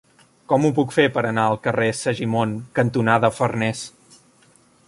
Com ho puc fer per anar al carrer Segimon cantonada Farnés?